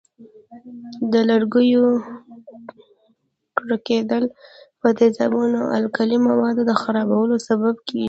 د لرګیو ککړېدل په تیزابونو او القلي موادو خرابوالي سبب کېږي.